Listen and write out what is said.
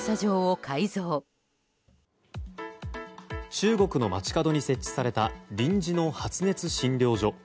中国の街角に設置された臨時の発熱診療所。